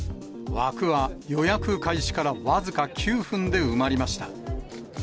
枠は予約開始から僅か９分で埋まりました。